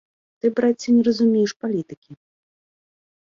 Ты, браце, не разумееш палітыкі.